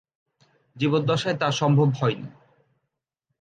জীবদ্দশায় তা সম্ভব হয়নি।